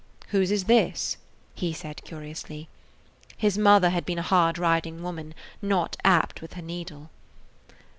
"Whose is this?" he said curiously. His mother had been a hard riding woman, not apt with her needle.